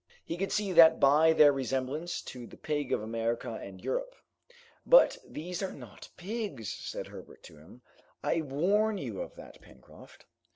He could see that by their resemblance to the pig of America and Europe. "But these are not pigs," said Herbert to him, "I warn you of that, Pencroft."